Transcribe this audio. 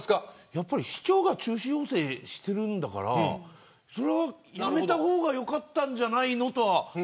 やっぱり市長が中止要請してるんだからやめた方が良かったんじゃないのとは。